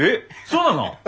そうなの！？